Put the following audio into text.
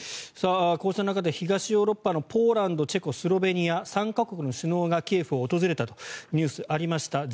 こうした中で東ヨーロッパのポーランドチェコ、スロベニア３か国の首脳がキエフを訪れたというニュースがありました。